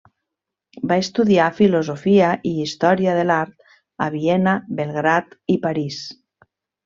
Va estudiar filosofia i història de l'art a Viena, Belgrad i París.